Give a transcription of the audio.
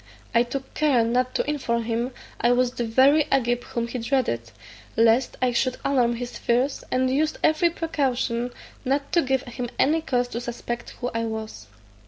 I took care not to inform him I was the very Agib whom he dreaded, lest I should alarm his fears, and used every precaution not to give him any cause to suspect who I was.